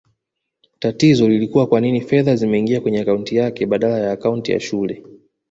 Tatizo lilikua kwanini fedha zimeingia kwenye akaunti yake badala ya akaunti ya shule